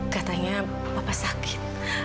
katanya bapak sakit